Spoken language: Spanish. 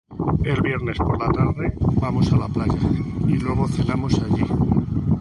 El viernes por la tarde vamos a la playa y luego cenamos allí.